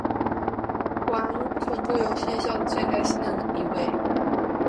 玩恐怖游戏笑得最开心的一位